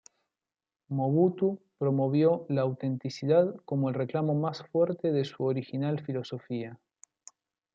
Mobutu promovió la "autenticidad" como el reclamo más fuerte de su original filosofía.